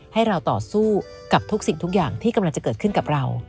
ให้เราต่อสู้กับทุกสิ่งทุกอย่างที่กำลังจะเกิดขึ้นกับเรา